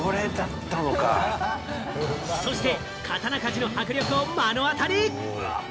そして刀鍛冶の迫力を目の当り。